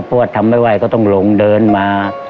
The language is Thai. ปวดทำไม่ไหวก็ต้องลงเดินมา